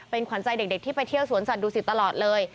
ขวัญใจเด็กที่ไปเที่ยวสวนสัตว์ดูสิตตลอดเลย